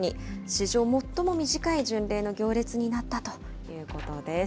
史上最も短い巡礼の行列になったということです。